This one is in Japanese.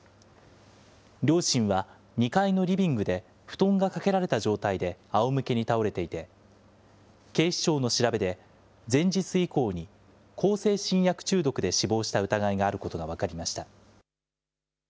両親は２階のリビングで布団がかけられた状態であおむけに倒れていて、警視庁の調べで、前日以降に向精神薬中毒で死亡した疑いがあることが分かりました。